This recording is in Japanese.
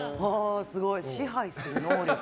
すごい。支配する能力。